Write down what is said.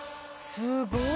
すごい！